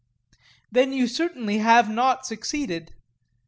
Then you certainly have not succeeded.